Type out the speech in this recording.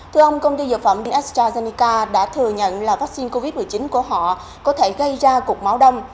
thưa ông công ty dược phẩm astrazeneca đã thừa nhận là vaccine covid một mươi chín của họ có thể gây ra cục máu đông